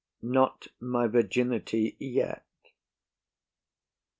Not my virginity yet.